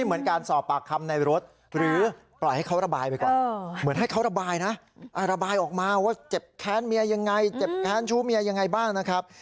เหมือนการสอบปากคำในรถหรือปล่อยให้เขาระบายไปก่อนเหมือนให้เขาระบายนะระบายออกมาว่าเจ็บแค้นเมียยังไงเจ็บแค้นชู้เมียยังไงบ้างนะครับ